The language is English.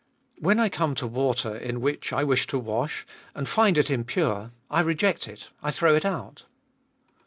When I come to water in which I wish to wash, and find it impure, I reject it ; I throw it out.